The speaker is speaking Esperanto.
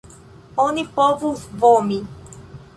Oni povus vomi.